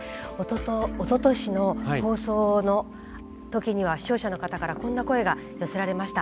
おととしの放送の時には視聴者の方からこんな声が寄せられました。